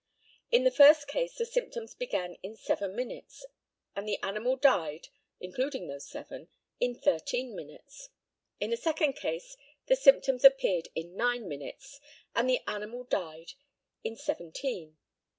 In the first case the symptoms began in seven minutes, and the animal died (including those seven) in thirteen minutes. In the second case the symptoms appeared in nine minutes, and the animal died in seventeen.